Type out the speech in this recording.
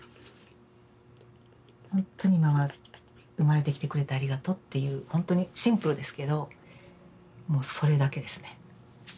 ほんとに今は生まれてきてくれてありがとうっていうほんとにシンプルですけどもうそれだけですね。